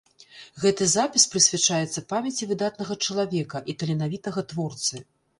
Гэты запіс прысвячаецца памяці выдатнага чалавека і таленавітага творцы.